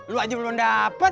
lo aja belum dapet